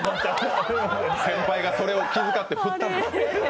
先輩がそれを気遣って振ったの。